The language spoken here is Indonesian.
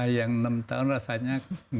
yang enam tahun rasanya